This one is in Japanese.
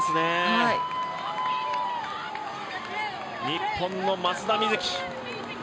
日本の松田瑞生。